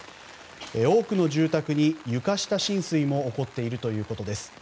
多くの住宅に床下浸水も起こっているということです。